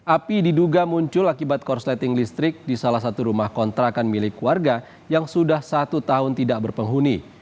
api diduga muncul akibat korsleting listrik di salah satu rumah kontrakan milik warga yang sudah satu tahun tidak berpenghuni